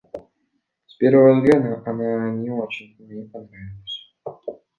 С первого взгляда она не очень мне понравилась.